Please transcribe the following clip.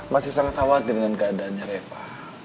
masih sangat khawatir dengan keadaannya reva